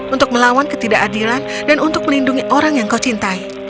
untuk melawan ketidakadilan dan untuk melindungi orang yang kau cintai